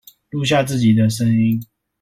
錄下自己的聲音